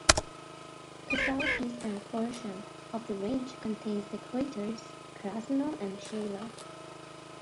The southeastern portion of the range contains the craters Krasnov and Shaler.